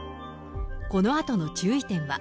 このあとの注意点は。